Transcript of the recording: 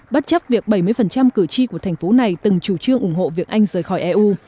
bất chấp việc bảy mươi cử tri của thành phố này từng chủ trương ủng hộ việc anh rời khỏi eu